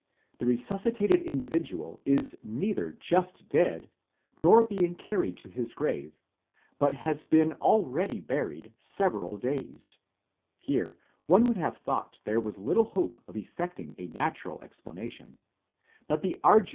the resuscitated individual is neither just dead nor being carried to his grave, but has been already buried several days. Here one would have thought there was little hope of effecting a natural explanation ; but the arduousness tS Ibid, ut sup.